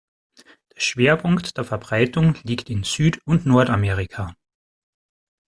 Der Schwerpunkt der Verbreitung liegt in Süd- und Nordamerika.